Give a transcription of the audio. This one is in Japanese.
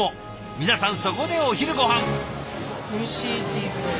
皆さんそこでお昼ごはん。